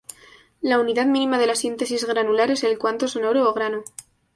La unidad mínima de la síntesis granular es el cuanto sonoro o grano.